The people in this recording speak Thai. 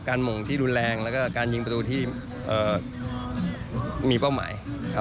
หม่งที่รุนแรงแล้วก็การยิงประตูที่มีเป้าหมาย